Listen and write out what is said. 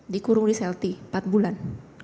dikurung di selti empat bulan